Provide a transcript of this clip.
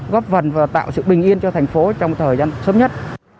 góp phần và tạo sự bình yên cho thành phố trong thời gian sớm nhất